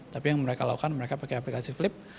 tapi yang mereka lakukan mereka pakai aplikasi flip